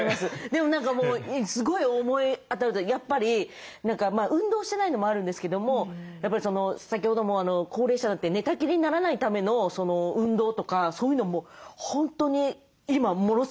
でもすごい思い当たるというかやっぱり運動してないのもあるんですけどもやっぱり先ほども高齢者になって寝たきりにならないための運動とかそういうのも本当に今ものすごい気になります。